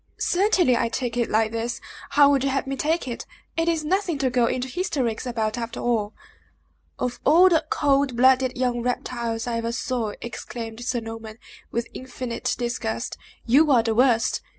"Certainly, I take it like this. How would you have me take it? It is nothing to go into hysterics about, after all!" "Of all the cold blooded young reptiles I ever saw," exclaimed Sir Norman, with infinite disgust, "you are the worst!